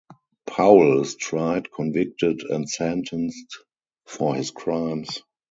Powell is tried, convicted, and sentenced for his crimes.